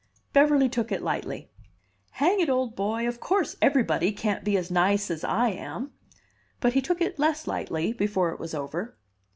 Beverly took it lightly. "Hang it, old boy, of course everybody can't be as nice as I am!" But he took it less lightly before it was over.